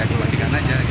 saya kembalikan saja